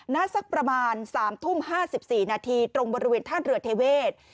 สักประมาณ๓ทุ่ม๕๔นาทีตรงบริเวณท่าเรือเทเวศ